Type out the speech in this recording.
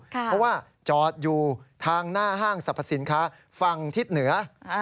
เพราะว่าจอดอยู่ทางหน้าห้างสรรพสินค้าฝั่งทิศเหนือ